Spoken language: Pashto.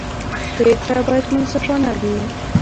پرېکړې باید منصفانه وي